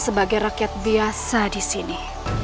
sebagai rakyat biasa disini